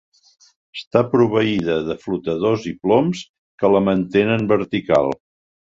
Està proveïda de flotadors i ploms que la mantenen vertical.